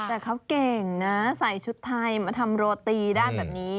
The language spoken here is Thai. แต่เขาเก่งนะใส่ชุดไทยมาทำโรตีด้านแบบนี้